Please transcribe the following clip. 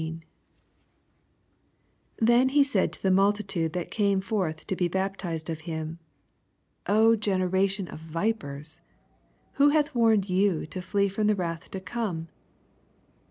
7 Then said he to the multitude that came* forth to be baptized of him, O generation of vipers, who hath warned you to flee from the wrath to come?